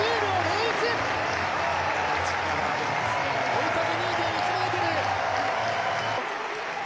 追い風２．１ｍ。